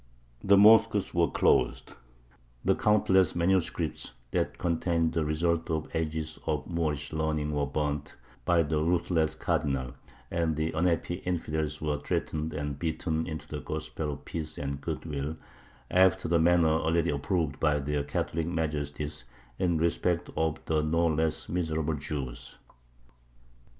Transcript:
The mosques were closed, the countless manuscripts that contained the results of ages of Moorish learning were burnt by the ruthless Cardinal, and the unhappy "infidels" were threatened and beaten into the Gospel of Peace and Goodwill after the manner already approved by their Catholic Majesties in respect of the no less miserable Jews.